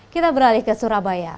kita beralih ke surabaya